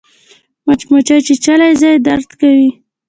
مچمچۍ چیچلی ځای درد کوي